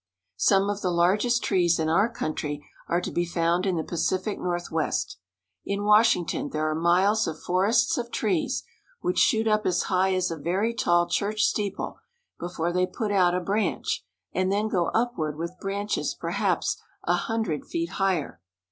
Some of the largest trees in our country are to be found in the Pacific Northwest. In Washington there are miles of forests of trees, which shoot up as high as a very tall church steeple before they put out a branch, and then go upward with branches perhaps a hundred feet higher.